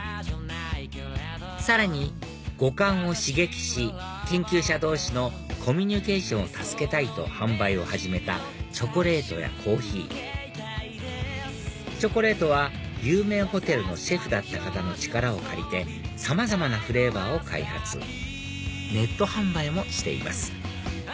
さらに五感を刺激し研究者同士のコミュニケーションを助けたいと販売を始めたチョコレートやコーヒーチョコレートは有名ホテルのシェフだった方の力を借りてさまざまなフレーバーを開発ネット販売もしています